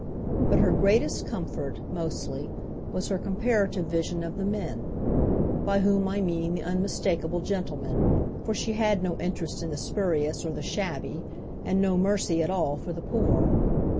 But her greatest comfort, mostly, was her comparative vision of the men; by whom I mean the unmistakeable gentlemen, for she had no interest in the spurious or the shabby and no mercy at all for the poor.